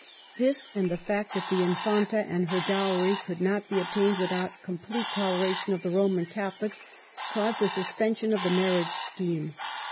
This, and the fact that the Infanta and her dowry could not be obtained without complete toleration of the Roman Catholics, caused a suspension of the marriage scheme.